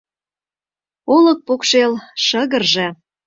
Олык покшел шыгырже